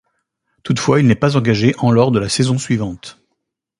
Toutefois, il n'est pas engagé en lors de la saison suivante.